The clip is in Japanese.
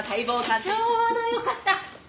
ちょうどよかった！